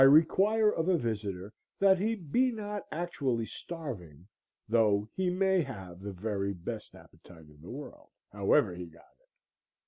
I require of a visitor that he be not actually starving, though he may have the very best appetite in the world, however he got it.